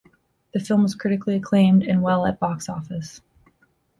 The film was critically acclaimed and well at box office.